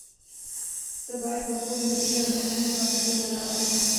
ته باید په خپلو ملي ارزښتونو باندې تل ولاړ واوسې.